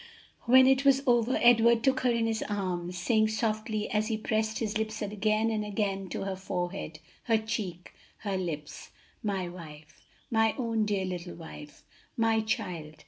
When it was over Edward took her in his arms, saying softly as he pressed his lips again and again to her forehead, her cheek, her lips, "My wife, my own dear little wife!" "My child!